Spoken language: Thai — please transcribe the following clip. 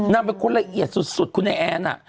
น้ำเป็นคนละเอียดสุดคุณแอนอ่ะ